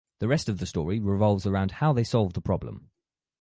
The rest of the story revolves around how they solve the problem.